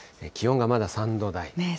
気温がまだ３度台。